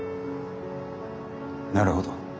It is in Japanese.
なるほど。